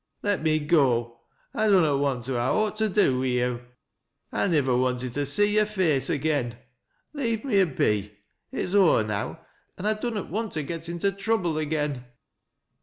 Let me go. I dunnot want to ha' awt to do wi' yo'. 1 nivver wanted to see yore face agen. Leave me a b& It's ower now, an' I dunnot want to get into trouble agen."